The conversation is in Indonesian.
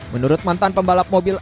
menurut mantan pembalap mobil